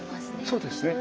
そうですね。